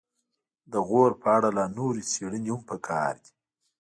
د غور په اړه لا نورې ډېرې څیړنې هم پکار دي